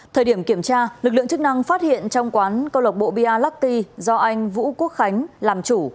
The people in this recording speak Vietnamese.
thời điểm kiểm tra lực lượng chức năng phát hiện trong quán câu lộc bộ bia lucky do anh vũ quốc khánh làm chủ